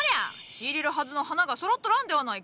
仕入れるはずの花がそろっとらんではないか！